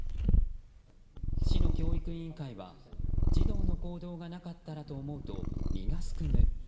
市の教育委員会は児童の行動がなかったらと思うと身がすくむ。